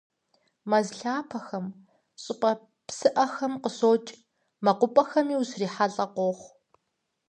Мэз лъапэхэм, щӏыпӏэ псыӏэхэм къыщокӏ, мэкъупӏэхэми ущрихьэлӏэ къохъу.